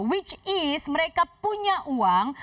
which is mereka punya uang